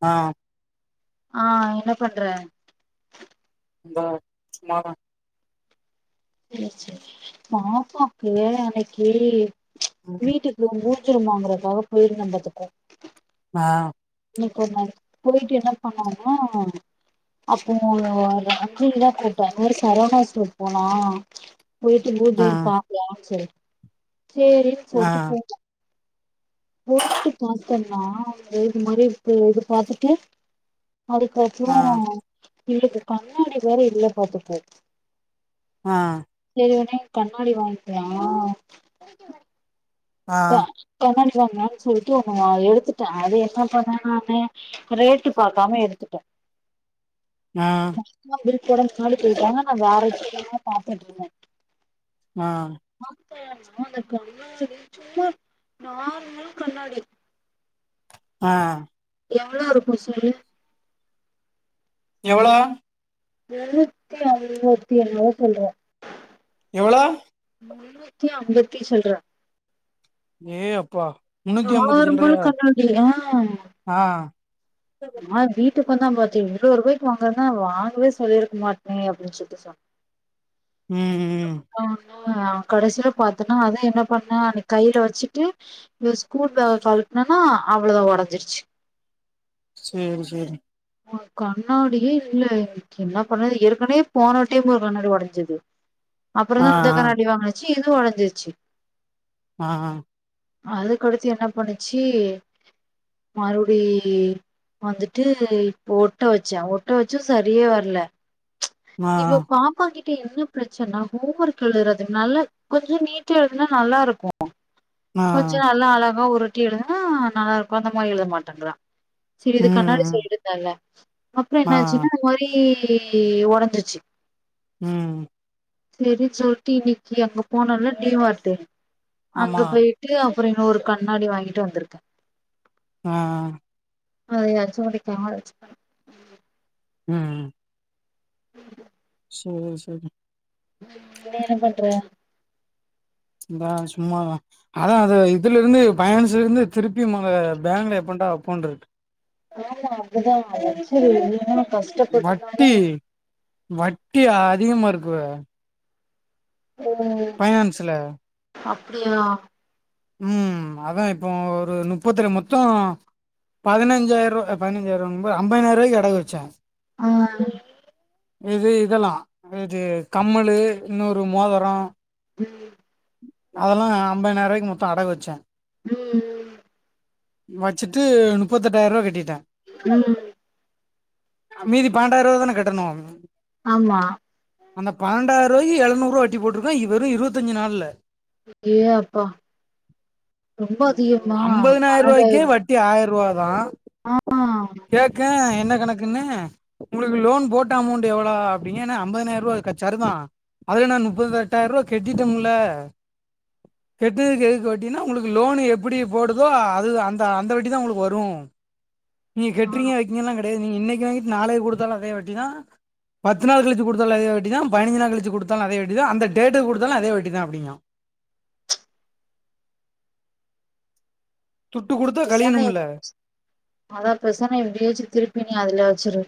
ஆ ஆ என்ன பண்ற இந்தா சும்மாதா சேரி சேரி பாபாக்கு அன்னைக்கு ம் வீட்டுக் இது [unintelligible] வாங்கறதுக்காக போயிருந்தே பாத்துக்கோ ஆ இன்னைக் ஒர் நாளு போயிட்டு என்ன பண்ணானா அப்போ ரண்டு தா கேட்டே இந்த மாரி சரவணா ஸ்டோர் போலா ஆ போயிட்டு [unintelligible] சேரின் ஆ சொல்ட்டு போ போயிட்டு பாத்தன்னா வந்து இந்த மாரி இப்ப இது பாத்துட்டு ஆ அதுக்கப்புறோ இவிளுக்கு கண்ணாடி வேற இல்ல பாத்துக்கோ ஆ சேரி ஒட்னே கண்ணாடி வாங்க்லா ஆ ட கண்ணாடிவாங்ளான் சொல்ட்டு ஒன்னு எடுத்துட்டே அது என்ன பண்ணே நானு ரேட்டு பாக்காம எடுத்துட்டே ஆ பில் போட [unintelligible] நா வேற [unintelligible] பாத்துட்ருந்தே ஆ [unintelligible] அந்த கண்ணாடி சும்மா நார்மல் கண்ணாடி ஆ எவ்ளோருக்கூ சொல்லு எவ்ளோ முண்ணூத்தி அறுவத்தி ஏழ்ருவா சில்ற எவ்ளோ முன்னூத்தி அம்பத்தி சில்ற ஏ அப்பா முன்னூத்தி ஐம்பது நார்மல் சில்றையா கண்ணாடியா ஆ நா வீட்டுக்கு வந்தா பாத்தே இவ்ளோ ருவாய்கு வாங்கந்தா வாங்கவே சொல்லிருக்க மாட்டே அப்டின் சொல்ட்டு சொன்னே ம் ம் ஆனா கடைசில பாத்தன்னா அதா என்ன பண்ண அன்னை கையில வச்சுட்டு இவ ஸ்கூல் பேக கழட்னேனா அவ்ளோதா ஒடஞ்சிருச்சு சேரி சேரி கண்ணாடியே இல்ல என்னா பண்ணது ஏற்கனவே போன டைம் ஒரு கண்ணாடி ஒடஞ்சது ஆ அப்பொறந்தா இந்த கண்ணாடி வாங்கினச்சு இதூ ஒடஞ்சிருச்சு ஆ அதுக்கடுத்து என்ன பண்ணுச்சி மறுப்டி வந்துட்டு இப்ப ஒட்ட வச்சே ஒட்ட வச்சு சரியே வர்ல ஆ இப்ப பா ப்பா கிட்ட என்ன பிரச்சனா ஹோம் ஒர்க் எழுதுறது நல்லா கொஞ்சொ நீட்டா எழுதுனா நல்லாருக்கூ ஆ கொஞ்சொ நல்லா அழகா உருட்டி எழுதுனா நல்லா இருக்கூ அந்த மாரி எழுத மாட்டன்றா செரி இது கண்ணாடி ம் சொல்லிருந்தேல அப்புறொ ஆ என்ன ஆச்சுன்னா இந்த மாரி ஒடஞ்சிருச்சி ம் செரின் சொல்ட்டு இன்னிக்கி அங்க போனோல டி மார்ட்டு ஆமா அங்க பேயி ட்டு அப்பறோ இன்னொரு கண்ணாடி வாங்கிட்டு வந்திருக்க ஆ அத எதாச்சு கொண்டே காத வச்சு ம் சேரி சேரி நீ என்ன பண்ற இதா சும்மாதா அதா அது இதுல இருந்து பனான்ஸ்ல இருந்து திருப்பி மக பேங்ள எப்பண்டா வப்போன்ருக்கு அ நா அதுதா அத வச்சு [unintelligible] வட்டி வட்டி அதிகமா இருக்கு ம் பைனான்ஸ்ல அப்டியா ம் அதா இப்போ ஒரு முப்பத்து ஏழு மொத்தோ பதிஞ்னசாயிரோ பதின்சாயிரோ அம்பதுனாயிரோ ரூபாய்க்கு அடகு வச்சே அ இது இதெல்லா இது கம்மலு இன்னொரு மோதரோ ம் அதெல்லா அம்பதுநாயிரருவாய்க்கு மொத்தோ அடகு வச்சே ம் ம் வச்சிட்டு முப்பத்தெட்டாயிரூவா கட்டிட்டே ம் ம் மீதி பண்ணெட்டய்ருவா தானே கட்டணு ஆமா அந்த பண்ணடய்ருவாக்கு எழுநூறுவ்வா வட்டி போட்டிருக்கா வெறு இருவத்தஞ்சு நாள்ல யே அப்பா ரொம்ப அதிகம ஐம்பதனாயிர ரூபாய்க்கே பன்னெடாயிரோ வட்டி ஆய்யர்ருதா அ கேக்கே என்ன கணக்குன்னு உங்ளுக்கு லோன் போட்ட அமௌண்ட் எவ்ளோ அப்டிங்கன்னா ஐம்பதாயிரோருவா க சரிதா அதுல நா முப்பத்து எட்டாயர்ருவா கட்டிட்டேம்ல கட்டுனதுக்கு எதுக்கு வட்டினா உங்ளுக்கு லோனு எப்டி போடுதோ அது அந்த அந்தவட்டி தா உங்ளுக்கு வரு நீங்க ஆ கட்றீங்க வைக்கீங்கலா கெடையாது நீங்க இன்னைக்கு வாங்கிட்டு நாளைக்கு குடுத்தாலு அதே வட்டிதா பத்து நாளு கழிச்சி குடுத்தாலு அதே வட்டிதா பதின்ஞ்ச் நாள் கழிச்சு குடுத்தாலு அதே வட்டி தா அந்த டேட்க்கு குடுத்தாலு அதே வட்டிதா அப்டிங்குறா துட்டு குடுத்து பெசான அதா பெசான எப்டியாச்சு திருப்பி நீ அதுல வச்சிரு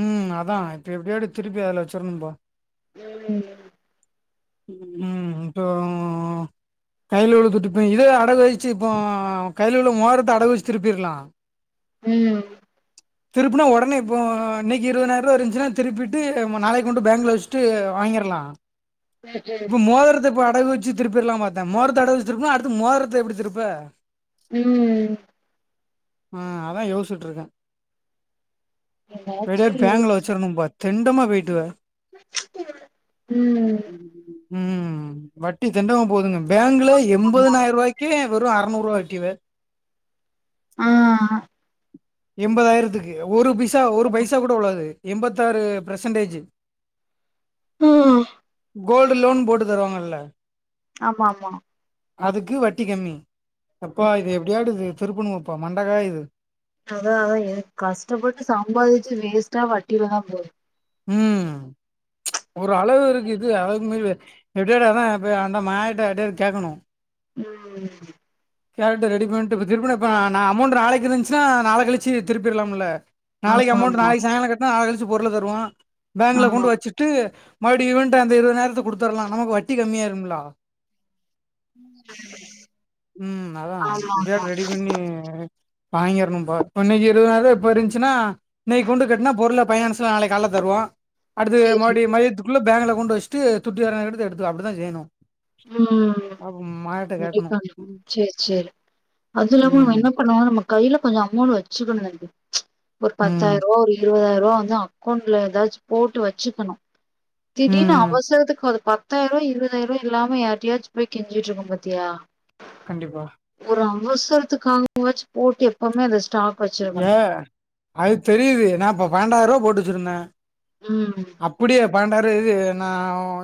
ம் அதா இப்ப எப்டியாவது திருப்பி அதுல வச்சிடணுபா ம் ம் இப்போ கையில உள்ள துட்டுப்பே இத அடகு வச்சு இப்போ கைய்ல உள்ள இருக்குற மோதரத்த அடகு வச்சு திருப்பிருக்லா ம் திருப்புனா ஒடனே இப்போ இன்னைக்கு இருபதுநாயிரரூவா இருந்துச்சுனா திருப்பிட்டு நாளைக்கு கொண்டு பேங்க்ல வச்சுட்டு வாங்கியார்லா இப்ப மோதரத்த இப்ப அடகு வச்சு திருப்பிற்ல்லா பாத்தே மோதரத்த அடகு வச்ச திருப்புனா அடுத்து மோதரத்த எப்டி திருப்ப ம் அ அதா யோசிட்டுருக்கே ஒரெடியா என்னாச்சு பேங்ல வச்சிருன்னும்போல தெண்டமா பொய்டுவர ம் ம்ம் வட்டி தெண்டமா போதுங்க பேங்ல ம் எண்பதாயிரோ ருவாய்க்கே வெறு அறநூறு ருவா வட்டி வே அ எண்பதாயிரத்துக்கு ஒரு பைசா ஒரு பைசா கூட உளாது எண்பத்தாறு பெர்சன்டேஜ் ம் கோல்டு லோன் போட்டு தருவாங்கல்ல ஆமா ஆமா அதுக்கு வட்டி கம்மி யப்பா இது எப்டியாடு இது திருப்புணுனப்பா மண்டகாயிது அதா அதா எ கஷ்டப்பட்டு சம்பாதிச்சு வேஸ்ட்டா வட்டியில தா போது ம்ம்ம் ஒரு அளவு இருக்கு இது அதுக்கு மீறி ரிடையர்ட் ஆனா போய் அந்த மேடத்துகிட்ட யாருகிட்ட யாவுது கேட்கணு ம்ம்ம் கேரட் ரெடி பண்ணிட்டு இப்ப திருப்பண்ண இப்ப நா அமௌண்ட நாளைக்கு இருந்துச்சுன்னா நாளா கழிச்சு திருப்பிடலாம்ல நாளைக்கு ஆமா அமௌண்ட் ஆமா நாளைக்கு சாயங்கால காட்டுன்னா நாளா கழிச்சி பொருள தருவா ஆ பேங்கல ஆமா கொண்டு வச்சிட்டு ட்டு மறுபடி ஈவெண்ட்ட அந்த இருபது நாயிரத்தை கொடுத்துரலா நமக்கு வட்டி கம்மியாயிரும்ல ம் அதா ஆமா எப்டியாவது ரெடி பண்ணி வாங்கிரணும்ப்பா இப்ப இன்னிக்கி இருபதுாயிர இப்ப இருந்துச்சுன்னா இன்னிக்கு கொண்டு கட்டுனா பொருள பைனான்ஸ்ல நாளைக்கு கால்ல தருவா அடுத்து சேரி மறுபடி மதியத்துக்குள்ள பேங்க்ல கொண்டு வச்சுட்டு துட்டுர எடுத்து எடுத்த அப்டிதான் செய்யணு ம் [unintelligible] சரி சரி அது இல்லாம நம்ம என்ன ம் பண்ணு நம்ம கையில கொஞ்ச அமௌண்ட் வச்சுக்கணு தம்பி ஒரு ம் பத்தாயிர ம் ரூபா ஒரு இருபதாயிர ரூபா வந்து அக்கௌண்ட்ல ஏதாச்சு போட்டு வச்சுக்கணு ம் திடீர்னு ம். அவசரதுக்கு அத பார்த்து பத்தாயிர ரூபா இருபதாயிர ரூபா இல்லம்மா யாரிட்டயாச்சு போய் கெஞ்சிட்டு இருக்கோ பாத்தியா கண்டிப்பா ஒரு அவசரத்துக்காவாச்சு போட்டு எப்பவுமே அத ஸ்டாக் வச்சிருக்கணு ஏ அது தெரியுது நா இப்ப பன்னெண்டாயிரரூபா போட்டு வச்சிருந்த ம் அப்டியே பண்டாருபா இது நா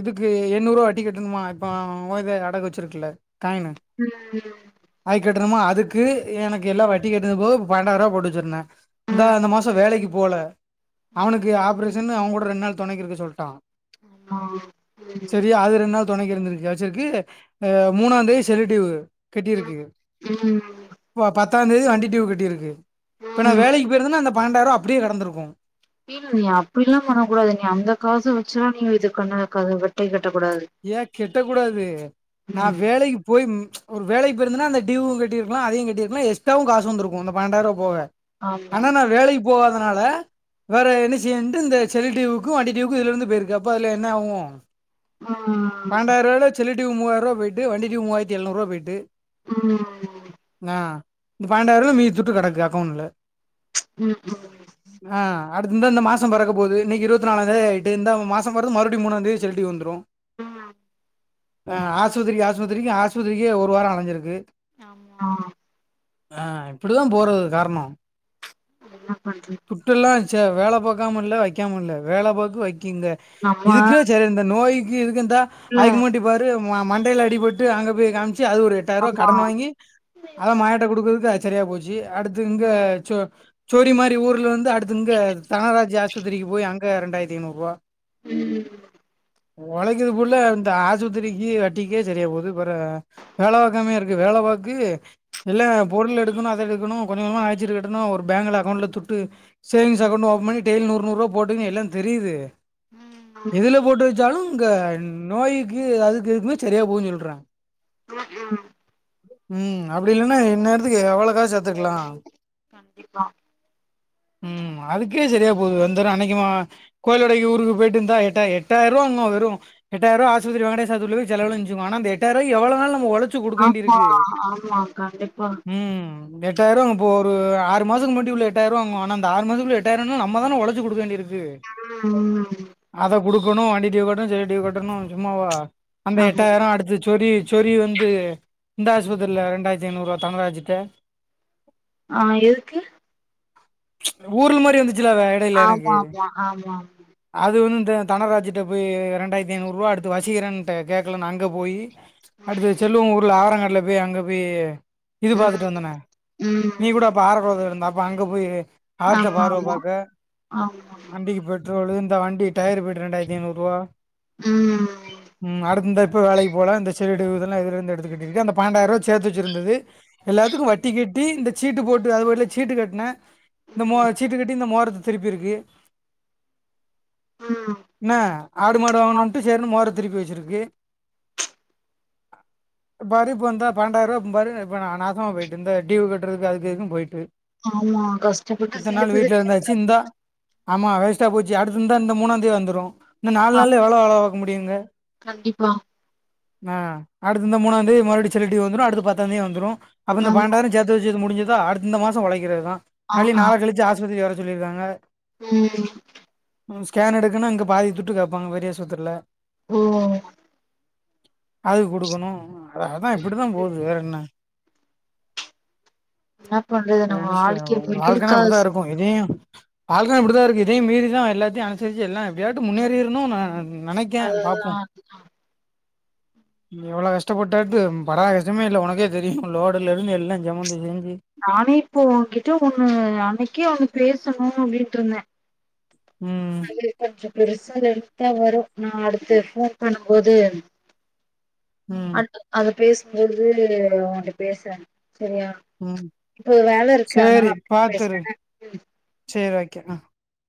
இதுக்கு எண்ணநூறுவா வட்டி கட்டுணுமா இப்ப உ இத அடகு வச்சுருக்குல காயினு அதுக்கு கட்டணுமா அதுக்கு எனக்கு எல்லா வட்டி கட்டுனது போக பன்னெண்டாயிர ரூபா போடிச்சிருந்த இந்தா அந்த மாச வேலைக்கு போல அவனுக்கு ஆப்ரேஷன்னு அவ கூட ரெண்டு நாள் துணைக்கிருக்க சொல்லிட்டா ஆ சரியா அது ரெண்டு நாள் துணைக்கு இருந்திருக்கச்சருக்கு ஆ மூணா தேதி சென்னிடூயூ கட்டிருக்கு ம் இப்ப பத்தா தேதி வண்டி டுவுவ் கட்டிருக்கு இப்ப நா ம் வேலைக்கு போய் இருந்தன்னா அந்த பன்னொன்ட ரூபா அப்டியே கடதுருக்கும் இல்ல நீ அப்டி எல்லா பண்ணக்க கூடாது நீ அந்த காச வச்சுல்லா நீங்க இது கண்ண வைக்க க்காதுட் கை காட்ட கூடாது ஏய கெட்ட கூடாது நா ம் வேலைக்கு போய் ஒரு வேலைக்குருந்தன்னா அந்த டியவவும் கட்டிருக்கலா அதையும் கட்டிருக்கலா எக்ஸ்டாவும் காசு வந்திருக்கும் அ பன்னெண்டர ரூபா போக ஆமா ஆனா நா வேலைக்கு போவாதனால வேற என்ன செய்யன்ட்டு இந்த செல்லு டடிவுக்கும் வண்டி டீவுக்கும் இதுல இருந்து போயிருக்கு அப்போ அதுல என்ன ஆகும் ஆ பண்டாயிர ரூல செல்லு டி மூவாயிரூா போயிட்டு வண்டி டீயு மூவாயத்திழுநூறு போய்ட்டு ம் என்ன ஆ இந்த பன்னெண்டாயம் ரூ மீதி துட்டு கிடக்கு அக்கௌண்ட்ல்ல ம்ம் ஆஹ அடுத்த இந்த மாசம் பற போது இன்னைக்கு இருபத்த நாலந்தேதி ஆயிட்டு இந்த மாம்றது மறுப மூணாந்தேதி செல்லிட்டு வந்துடு ம் ஆஹ ஆஸ்பத்திரி ஆஸ்பத்திரி ஆஸ்பத்திரிக்கே ஒரு வார அலஞ்சிருக்கு ஆமா ஆஹ இப்படிதா போறதுக்கு காரணம் என்ன பண்றது இப்பல எல்லா வேலை போக்காமல்ல வைக்காமல வேலை போகு வைக்குங்க நம்ம இதுக்கே சேரி இந்த நோய்கு இதுக்கு த இல்ல ஆயக்கமாட்டி பாரு மண்டையில் அடிபட்டு அங்க போய் காமிச்சு அது ஒரு எட்ட எட்டாயிரா ரூபா ஆமா கடன் வாங்கி அதா மாயட்ட கொடுக்குறதுக்கு அது சேரியா போச்சு அடுத்து இங்க சோடி மாதி ஊர்ல வந்து அடுடுத்தங்க தனராஜ் ஆஸ்பத்திரிக்கு போய் அங்க இரண்டாயிரத்த ஐநூறு ரூபா ம் உழைக்குது ஃபுள்ள இந்த ஆஸ்பத்திரிக்கு வட்டிக்கே சரியா போகுது பற வேலைவக்காமே இருக்கு வேலைவக்கு இல்லா பொருள் எடுக்கணு அத எடுக்கணு கொஞ்சோ கொஞ்சமா நக சீட்டு கட்டணு ஒரு பேங்க்ல அக்கௌண்ட்ல துட்டு சேவிங் அகண்ட் ஓபன் டேய்லி நூறு நூறுப போட்டுன்ன எல்லா தெரியுது எதுல போட்டு வச்சாலு இங்க நோய்க்கு அதுக்கு எதுக்குமே சரியா போகுன்னு சொல்றே ம்ம் ம் அப்படில்லன்னா இன்னேரத்துக்கு எவ்வளோக்காசு சேர்த்துக்கலா கண்டிப்பா கண்டிப்பா [inaudible] ம் அதுக்கே சரியா போகுது வந்த அன்னைக்குமா கோயிலுடைக்கு ஊருக்கு போயிட்டு இந்தா எட்டா எட்டாயிரம் ரூவா அங்க எட்டாய ரூவா ஆஸ்பத்ரி வாங்குனே சர்புர்னு செலவு அழிஞ்சு ஆனா அந்த எட்டயருவாக்கு எவ்ளவு நாள் உழச் உழச்சு குடுக்க ஆமா வேண்டியருக்கு ஆமா கண்டிப்பா ம் எட்டாயிர இப்போ ஒரு ஆறு மாசத்துக்கு முன்னாடி மட்டு உள்ள எட்டாயிரமவாங்க ஆன அந்த ஆறு மாசத்துள்ள எட்டாயிரம்ன்னா நம்ம தானே உழச்சு கொடுக்கவேண்டியிருக்கு ம் ம் அத கொடுக்கணு வண்ட டியு கட்டணு செடி கட்டணு சும்மாவா அந்த ஆமா எட்டாயிரோ அடுத்து சோரி சொரி வந்து இந்த ஆஸ்பத்திர்ல ரெண்டாயிரத்தி ஐநூறுவா தங்கராஜிட்ட ஆஹ் எதுக்கு ஊர்ல்மாரி வந்துச்சுல அத இடையில எனக்கு ஆமா ஆமா ஆமா ஆமா. அது வந்து தனராஜிட்ட போய் ரெண்டாயிரத்தி ஐநூறு ரூவா அடுத்து வசீகரன்ட கேக்கலன்னு அங்கே போய் அடுத்து செல்லவங் ஊர்ல ஆரங்காட்ல போய் அங்க போய் இது ம் பாத்துட்டு வந்தனே ம் நீ கூட ம். ஆரகுளத்துல இருந்தா அப்ப அங்க போய் ஆர்ட்ட ஆமா பார்வ ஆமா பாக்க ஆமா வண்டிக்கு பே ரோலு இந்த வண்டி டயர் பட்டு ரெண்டாயிரத்தி ஐநூறுரூவா ம் ம் அடுத்து இந்த இப்போ வேலைக்கு போல இந்த செடு இதல்லா இதலந்து எடுத்துக்கட்டி ருக்கு அந்த பன்னண்டாயமரூவா சேர்த்து வச்சிருந்தது எல்லாத்துக்கு வட்டி கட்டி இந்த சீட்டு போட்டு அது பாட்டுக்கு சீட்டு கட்டினே இந்த மூவார சீட்டுக்கட்டி இந்த மோரத்த திருப்பிருக்கு ம் என்ன ஆடு மாடு வாங்கணுட்டு சேரிட்டு மோரத் திருப்பி வச்சிருக்கு [inaudible] பாறி இப்போ இந்தா பண்டாயிரரூவா பாரு இப்ப நா நாசமா போயிட்டு இந்த டிவு கட்டுறதுக்கு அதுக்கு இதுக்கு போயி்ட்டு ஆமா கஷ்டப்பட்டு இத்த நாள் சேத்தது வீட்லருந்தாச்சு வேஸ்டா இந்தா ஆமா வேஸ்ட போச்சு அடுத்து இந்த இந்த மூணாந்தேதி வந்துடு இந்த நால் ஆ நாள்ள எவ்ளோ வேல பாக்க முடியுங்க கண்டிப்பா ஆஹ் அடுத்தந்த மூணாந்தேதி மறுடி செல்லடி வந்துடு அடுடத்து பத்தாந்தேதி வந்துடு அப்போ இந்த ஆமா பன்னெண்டாயிரோ சேத்து வச்சது முடிஞ்சதா அடுத்து இந்த மாசம் உழைக்கிறதுதா ஆ அழி ஆ நாள கழிச்சு ஆஸ்பத்திரி வர சொல்லிருக்காங்க [unintelligible] ம் ம் ஸ்கேன் எடுக்குன்னா இங்க பாதி துட்டு கேப்பாங்க பெரியா சுத்துல ம் அதுக் குடுக்கணு அதா இப்புடிதா போது வேறஎன்ன என்ன பண்றது நம்ம நெனச்ச வாழ்க்கை மிடில் வால்கண்ணா கிளாஸ் அப்புடித்தாருக்கு இதயு வால்க்க இப்புடிதாருக்கு இதயு மீறிதா எல்லாத்தையு அனுசரிச்சு எல்லா எப்டியாட்டு முன்னேறி நெற்ணு நெனைக் அததா எவ்வளோ கஷ்டப்பட்டாட்டு படா கஷ்டமே இல்ல ஒனக்கே தெரியு லோடுலருந்து எல்லா ஜமந்து செஞ்சு நானே இப்போ ஓங்கிட்ட ஒன்னு அன்னக்கே ஒன்னு பேசணு அப்டின்ட்ருந்தே ம் பெருப்பச்ச பெருசா எடுத்தா வரு நா அடுத்து ஃபோன் பண்ணும்போது ம் அது அத பேசும்போது ஒன்ட்ட பேசுற செரியா ம் இப்போ வேலருக்கு அதுனால அப்ப பேசுறே ம் செர் ஓக்கே அ